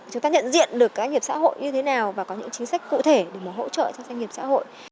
chúng ta nhận diện được các doanh nghiệp xã hội như thế nào và có những chính sách cụ thể để mà hỗ trợ cho doanh nghiệp xã hội